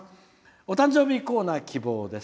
「お誕生日コーナー希望です。